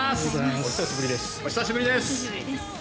お久しぶりです。